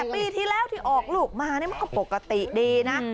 ปีที่แล้วที่ออกลูกมามันก็ปกติดีนะ